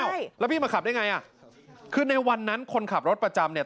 ใช่แล้วพี่มาขับได้ไงอ่ะคือในวันนั้นคนขับรถประจำเนี่ย